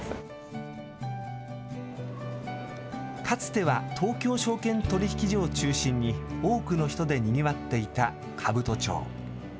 かつては東京証券取引所を中心に多くの人でにぎわっていた兜町。